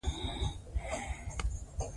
ژمی د افغان تاریخ په کتابونو کې ذکر شوی دي.